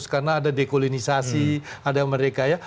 karena ada dekolonisasi ada mereka ya